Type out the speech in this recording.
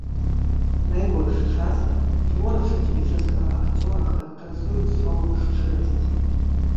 Найбольш часта творчасць піцерскага акцёра характарызуюць словам шчырасць.